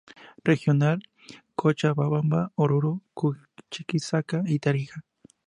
Regional Cochabamba, Oruro, Chuquisaca y Tarija.